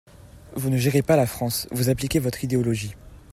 Vous ne gérez pas la France, vous appliquez votre idéologie.